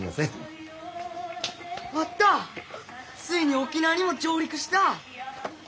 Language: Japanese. ついに沖縄にも上陸した！